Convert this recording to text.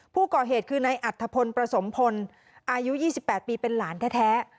ผู้ก่อเหตุคือนายอัฐพลประสมพลอายุ๒๘ปีเป็นหลานแท้